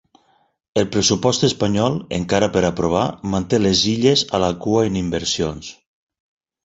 El pressupost espanyol, encara per aprovar, manté les Illes a la cua en inversions.